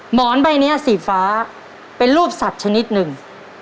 หมอนใบนี้สีฟ้าเป็นรูปสัตว์ชนิดหนึ่ง